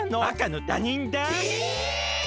あかのたにんです！